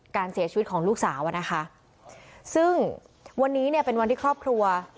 การเสียชีวิตของลูกสาวอ่ะนะคะซึ่งวันนี้เนี่ยเป็นวันที่ครอบครัว